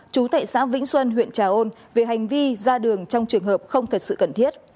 chú thệ xã vĩnh xuân huyện trà ôn về hành vi ra đường trong trường hợp không thật sự cần thiết